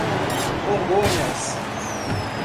Congonhas